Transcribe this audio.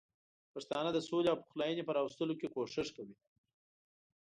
پښتانه د سولې او پخلاینې په راوستلو کې کوښښ کوي.